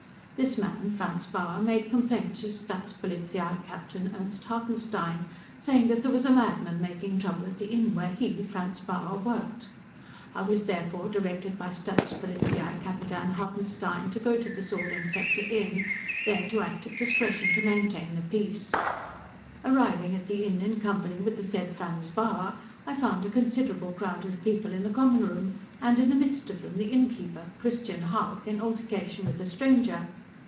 This man Franz Bauer made complaint to Staatspolizeikapitan Ernst Hartenstein, saying that there was a madman making trouble at the inn where he, Franz Bauer, worked. I was, therefore, directed, by Staatspolizeikapitan Hartenstein, to go to the Sword & Scepter Inn, there to act at discretion to maintain the peace. Arriving at the inn in company with the said Franz Bauer, I found a considerable crowd of people in the common room, and, in the midst of them, the innkeeper, Christian Hauck, in altercation with a stranger.